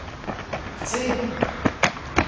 Chci!